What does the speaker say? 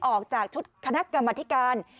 ออกจากชุดคณะกรรมธิการ